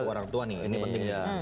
orang tua nih ini pentingnya